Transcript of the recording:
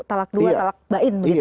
talak dua talak bain